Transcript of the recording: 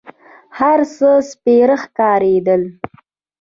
هر څه سپېره ښکارېدل.